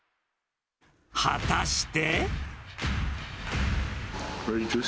果たして。